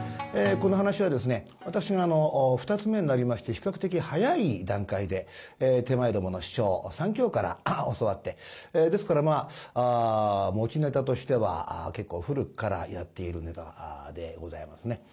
この噺は私が二ツ目になりまして比較的早い段階で手前どもの師匠さん喬から教わってですから持ちネタとしては結構古くからやっているネタでございますね。